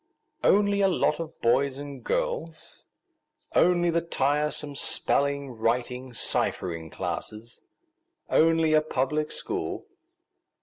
Only a lot of boys and girls? Only the tiresome spelling, writing, ciphering classes? Only a Public School?